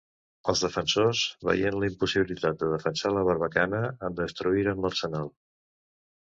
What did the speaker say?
Els defensors, veient la impossibilitat de defensar la barbacana, en destruïren l'arsenal.